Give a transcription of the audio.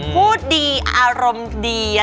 พูดดีอารมณ์ดี